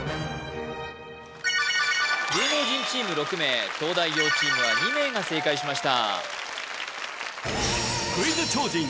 芸能人チーム６名東大王チームは２名が正解しました